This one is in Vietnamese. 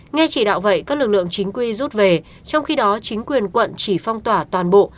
nghe chỉ đạo vậy các lực lượng chính quy rút về trong khi đó chính quyền quận chỉ phong tỏa toàn bộ